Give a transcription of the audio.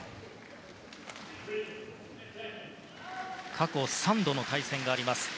過去３度の対戦があります